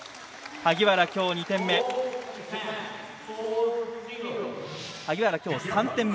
萩原、今日２点目。